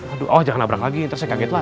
aduh jangan nabrak lagi terus saya kaget lagi